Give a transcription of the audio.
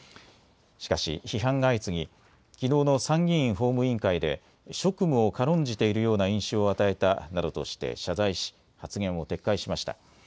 しかし批判が相次ぎ、きのうの参議院法務委員会で職務を軽んじているような印象を与えたなどとして謝罪し発言を撤回しました。